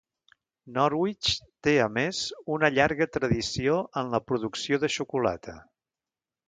Norwich té a més una llarga tradició en la producció de xocolata.